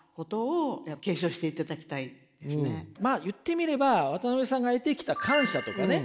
まあ言ってみれば渡辺さんが得てきた感謝とかね